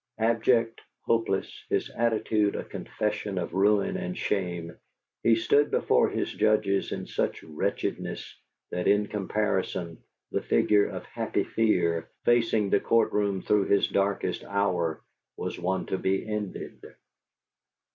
Abject, hopeless, his attitude a confession of ruin and shame, he stood before his judges in such wretchedness that, in comparison, the figure of Happy Fear, facing the court room through his darkest hour, was one to be envied.